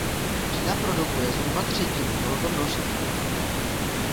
Čína produkuje zhruba třetinu tohoto množství.